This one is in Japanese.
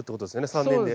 ３年で。